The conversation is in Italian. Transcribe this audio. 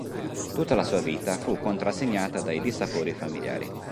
Tutta la sua vita fu contrassegnata dai dissapori familiari.